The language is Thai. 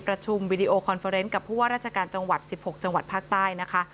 ประชุมวิดีโอคอนเฟอร์เนนกับผู้ว่าราชการจังหวัด๑๖จังหวัดภาคใต้นะคะ